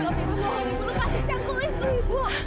amirah mohon ibu lepas janggul itu ibu